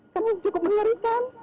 kan ini cukup mengerikan